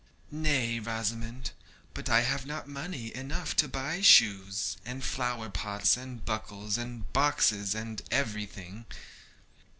'Nay, Rosamond, but I have not money enough to buy shoes, and flower pots, and buckles, and boxes, and everything.'